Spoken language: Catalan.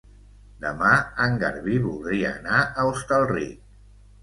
Demà en Garbí voldria anar a Hostalric.